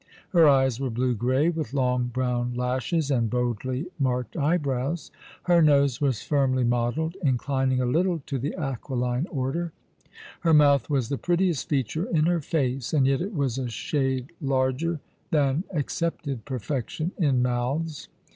Her eyes were blue grey, with long, brown lashes and boldly Aly Frolic Falcon, zoith Bright Eyes. 107 marked eyebrows; her nose was firmly modelled, inclining a little to the aquiline order. Her month was the prettiest feature in her face, and yet it was a shade larger than accepted perfection in mouths.